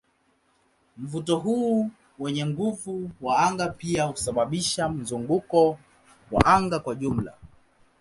Mvuto huu wenye nguvu wa anga pia husababisha mzunguko wa anga wa jumla.